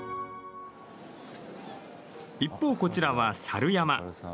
一方、こちらはサル山。